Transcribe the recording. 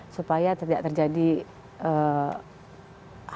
supaya tidak terjadi hal hal yang tidak terjadi